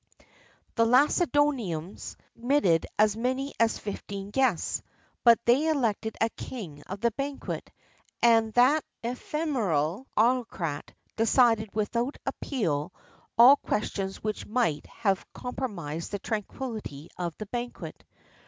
The Lacedæmonians admitted as many as fifteen guests, but they elected a king of the banquet, and that ephemeral autocrat decided without appeal all questions which might have compromised the tranquillity of the banquet.